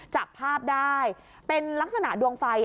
จับภาพได้เป็นลักษณะดวงไฟ